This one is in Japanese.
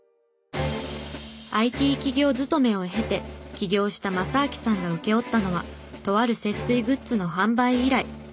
ＩＴ企業勤めを経て起業した雅彰さんが請け負ったのはとある節水グッズの販売依頼。